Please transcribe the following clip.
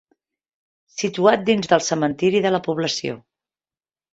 Situat dins del cementiri de la població.